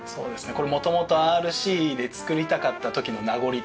これ元々ＲＣで造りたかった時の名残で。